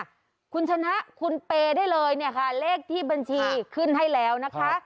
คุณชนะคุณเปย์ได้เลยเนี่ยค่ะเลขที่บัญชีขึ้นให้แล้วนะคะ